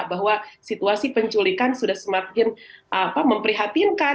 bahwa situasi penculikan sudah semakin memprihatinkan